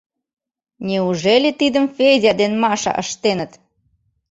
Неужели тидым Федя ден Маша ыштеныт?